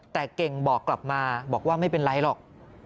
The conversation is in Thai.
แต่เก่งบอกกลับมาบอกว่าไม่เป็นไรหรอก